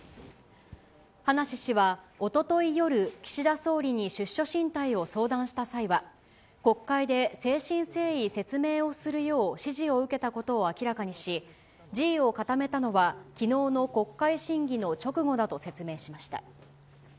葉梨氏は、おととい夜、岸田総理に出処進退を相談した際は、国会で誠心誠意説明をするよう指示を受けたことを明らかにし、辞意を固めたのは、きのうの国会審議の直後だと説明しました。